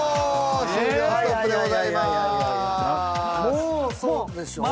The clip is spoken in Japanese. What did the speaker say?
もうそうでしょうね。